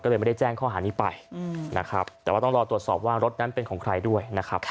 ก็เลยไม่ได้แจ้งข้อหานี้ไปนะครับแต่ว่าต้องรอตรวจสอบว่ารถนั้นเป็นของใครด้วยนะครับ